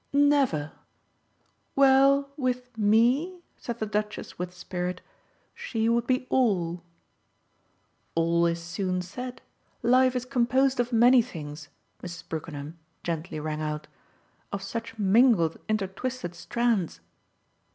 "Never! Well, with ME" said the Duchess with spirit, "she would be all." "'All' is soon said! Life is composed of many things," Mrs. Brookenham gently rang out "of such mingled intertwisted strands!"